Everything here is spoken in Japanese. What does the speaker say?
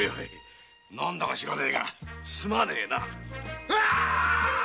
何だか知らねぇがすまねぇな。